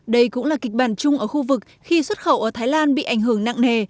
đây cũng là kịch bản chung ở khu vực khi xuất khẩu ở thái lan bị ảnh hưởng nặng nề